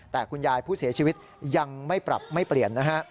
แต่คุณยายผู้เสียชีวิตยังไม่ปรับไม่เปลี่ยนนะฮะ